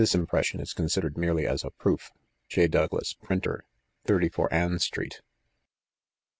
impression is considered merely &@& proof. *, Douglas^ Printer, M Ann Street.